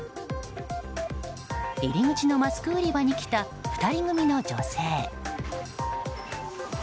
入り口のマスク売り場に来た２人組の女性。